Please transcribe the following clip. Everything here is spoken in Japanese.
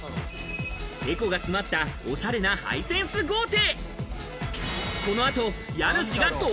エコが詰まったおしゃれなハイセンス豪邸。